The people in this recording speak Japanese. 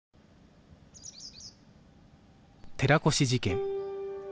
寺越事件